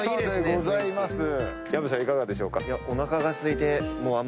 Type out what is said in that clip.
薮さんいかがでしょうか？